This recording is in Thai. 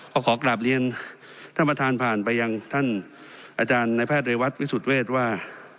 ก็ขอกลับเรียนท่านประธานผ่านไปยังท่านอาจารย์ในแพทย์เรวัตวิสุทธิเวศว่า